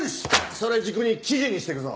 それ軸に記事にしてくぞ。